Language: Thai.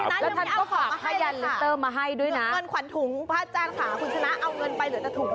คุณชนะยังไม่เอาของมาให้เลยค่ะเหลือเงินขวัญถุงพระอาจารย์ค่ะคุณชนะเอาเงินไปเหลือแต่ถุงค่ะ